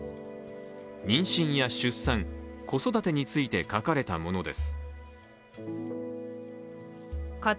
妊娠や出産、子育てについて書かれたものです。